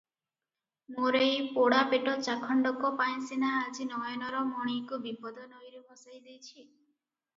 ମୋର ଏଇ ପୋଡ଼ା ପେଟ ଚାଖଣ୍ଡକ ପାଇଁ ସିନା ଆଜି ନୟନର ମଣିକୁ ବିପଦ ନଈରେ ଭସାଇ ଦେଇଚି!